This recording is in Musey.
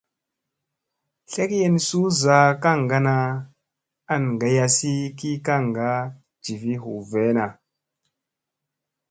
Tlekyen suu zaa kaŋgana an gayasi ki kaŋga jivi hu veena.